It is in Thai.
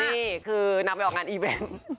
นี่คือนำไปออกงานอีเวนต์